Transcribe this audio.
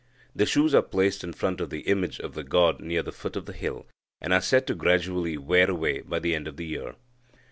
The shoes are placed in front of the image of the god near the foot of the hill, and are said to gradually wear away by the end of the year.